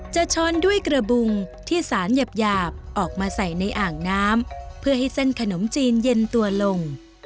ช้อนด้วยกระบุงที่สารหยาบออกมาใส่ในอ่างน้ำเพื่อให้เส้นขนมจีนเย็นตัวลง